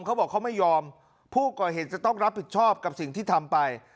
เขาบอกเขาไม่ยอมผู้ก่อเหตุจะต้องรับผิดชอบกับสิ่งที่ทำไป